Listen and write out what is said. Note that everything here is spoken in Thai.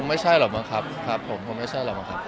อ๋อคงไม่ใช่เหรอบางครับครับผมคงไม่ใช่เหรอบางครับ